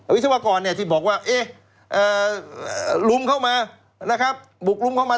วิศวกรที่บอกว่าลุมเข้ามานะครับบุกรุมเข้ามา